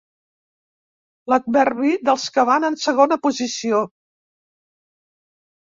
L'adverbi dels que van en segona posició.